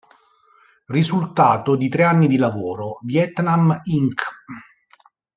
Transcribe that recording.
Risultato di tre anni di lavoro, "Vietnam Inc.